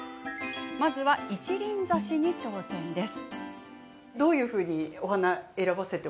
まずは、一輪挿しに挑戦です。